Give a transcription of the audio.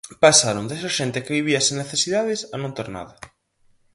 Pasaron de ser xente que vivía sen necesidades a non ter nada.